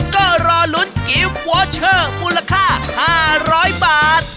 ก็รอลุ้นกิฟต์วอเชอร์มูลค่า๕๐๐บาท